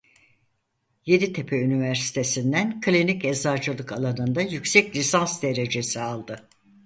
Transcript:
Yeditepe Üniversitesi'nden klinik eczacılık alanında yüksek lisans derecesi aldı.